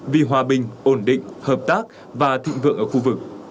vì hòa bình ổn định hợp tác và thịnh vượng ở khu vực